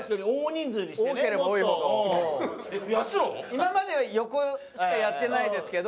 今までは横しかやってないですけど。